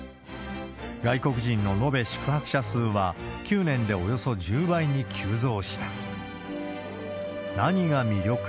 外国人の延べ宿泊者数は、９年でおよそ１０倍に急増した。